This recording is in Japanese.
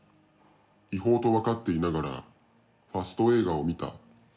違法と分かっていながらファスト映画を見た。